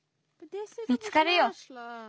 見つかるよ。